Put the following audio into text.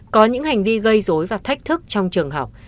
có những hành vi gây dối và thách thức trong trường học